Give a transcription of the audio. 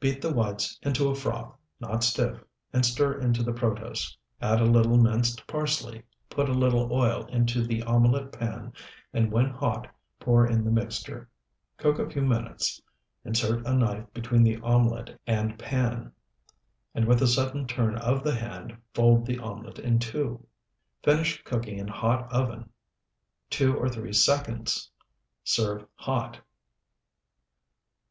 Beat the whites into a froth, not stiff, and stir into the protose; add a little minced parsley; put a little oil into the omelet pan, and when hot pour in the mixture. Cook a few minutes. Insert a knife between the omelet and pan, and with a sudden turn of the hand fold the omelet in two. Finish cooking in hot oven two or three seconds. Serve hot.